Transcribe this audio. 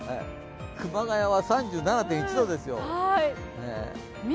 熊谷は３７．１度ですよ。